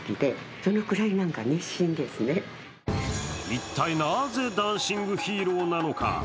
一体なぜ「ダンシング・ヒーロー」なのか。